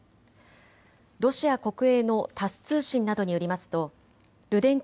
ロシア国営のタス通信などによりますとルデンコ